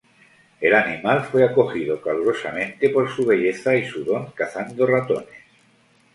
El animal fue acogido calurosamente, por su belleza y su don cazando ratones.